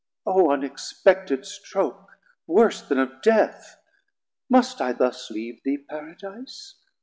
O unexpected stroke, worse then of Death! Must I thus leave thee Paradise?